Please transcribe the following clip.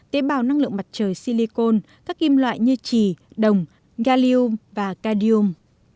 tế bào năng lượng mặt trời silicon các kim loại như trì đồng gallium và cadium